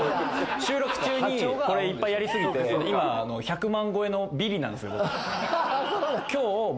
収録中にこれ、いっぱいやり過ぎて、今、１００万超えのビリなんですよ、僕。